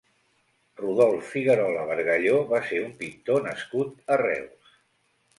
Rodolf Figuerola Bargalló va ser un pintor nascut a Reus.